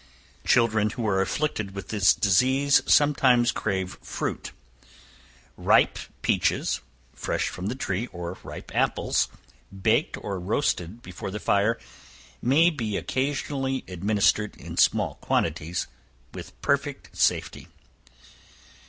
Children who are afflicted with this disease, sometimes crave fruit. Ripe peaches, fresh from the tree, or ripe apples, baked or roasted before the fire, may he occasionally administered in small quantities with perfect safety.